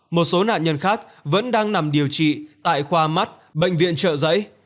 một số nạn nhân khác vẫn đang nằm điều trị tại khoa mắt bệnh viện trợ giấy